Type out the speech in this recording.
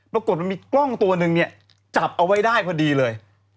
ปรากฏมันมีกล้องตัวหนึ่งเนี่ยจับเอาไว้ได้พอดีเลย